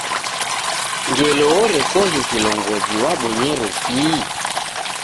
Ngelo orekoghe kilongozi wabonyere kii?